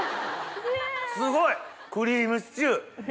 すごい！栗ームシチュー！